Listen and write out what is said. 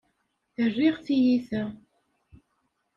Rriɣ tiyita.